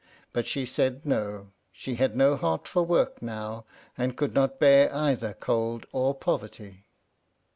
But she said No; she had no heart for work now, and could not bear either cold or poverty.